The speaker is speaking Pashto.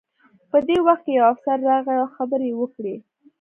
په دې وخت کې یو افسر راغی او خبرې یې وکړې